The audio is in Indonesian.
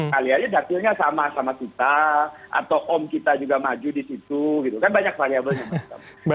kaliannya dapilnya sama sama kita atau om kita juga maju disitu gitu kan banyak variabelnya mas